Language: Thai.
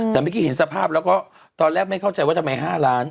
แต่เมื่อกี้เห็นสภาพแล้วก็ตอนแรกไม่เข้าใจว่าทำไม๕ล้าน